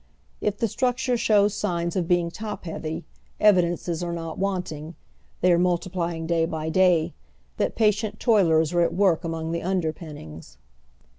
If the stracture shows signs of being top heavy, evidences are not wanting — they ai'e multiplying day by day— that patient toilers are at work among the underpinnings.